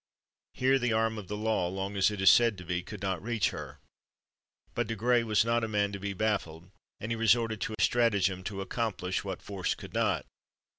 Here the arm of the law, long as it is said to be, could not reach her: but Desgrais was not a man to be baffled, and he resorted to stratagem to accomplish what force could not.